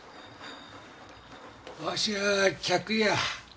わしは客や。